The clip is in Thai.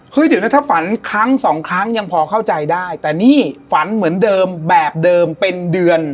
เดี๋ยวนะถ้าฝันครั้งสองครั้งยังพอเข้าใจได้แต่นี่ฝันเหมือนเดิมแบบเดิมเป็นเดือน